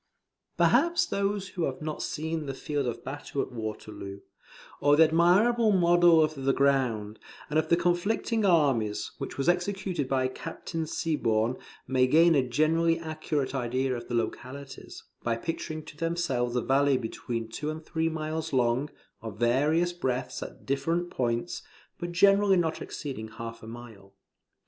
Perhaps those who have not seen the field of battle at Waterloo, or the admirable model of the ground, and of the conflicting armies, which was executed by Captain Siborne, may gain a generally accurate idea of the localities, by picturing to themselves a valley between two and three miles long, of various breadths at different points, but generally not exceeding half a mile.